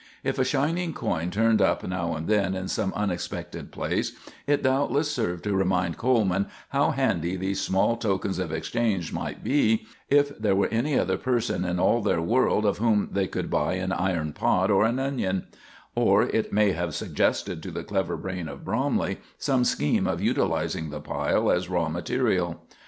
If a shining coin turned up now and then in some unexpected place, it doubtless served to remind Coleman how handy these small tokens of exchange might be if there were any other person in all their world of whom they could buy an iron pot or an onion; or it may have suggested to the clever brain of Bromley some scheme of utilizing the pile as raw material.